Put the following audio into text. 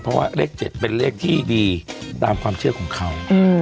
เพราะว่าเลข๗เป็นเลขที่ดีตามความเชื่อของเขา